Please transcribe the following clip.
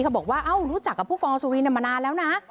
เขาบอกว่าเอ้ารู้จักกับผู้กองสุรินมานานแล้วนะ